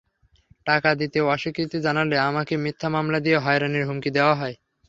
টাকা দিতে অস্বীকৃতি জানালে আমাকে মিথ্যা মামলা দিয়ে হয়রানির হুমকি দেওয়া হয়।